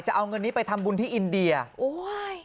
จะเอาเงินนี้ไปทำบุญที่อินเดียโอ้ย